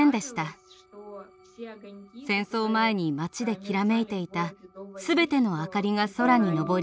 戦争前に町できらめいていたすべての明かりが空に昇り